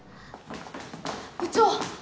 部長！